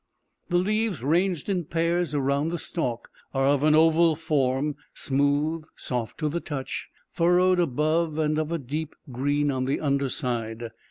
The leaves ranged in pairs around the stalk, are of an oval form smooth, soft to the touch, furrowed above, and of a deep green on the under side.